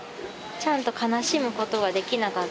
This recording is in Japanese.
ちゃんと悲しむことができなかった。